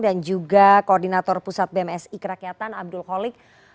dan juga koordinator pusat bms ikerakyatan abdul kholik